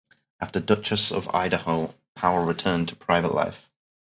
After "Duchess of Idaho", Powell returned to private life.